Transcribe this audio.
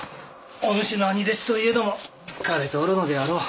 お主の兄弟子といえども疲れておるのであろう。